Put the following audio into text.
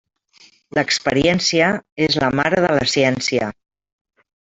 L'experiència és la mare de la ciència.